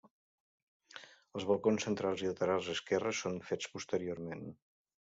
Els balcons centrals i lateral esquerre són fets posteriorment.